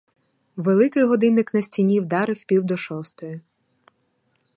Великий годинник на стіні вдарив пів до шостої.